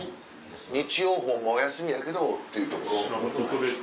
日曜ホンマはお休みやけどっていうところ。